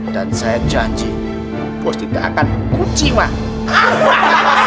dan saya janji bos tidak akan kunci mak